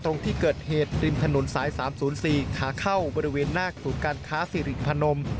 ตรงที่เกิดเหตุริมถนนสาย๓๐๔ขาเข้าบริเวณหน้าศูนย์การค้าสิริพนม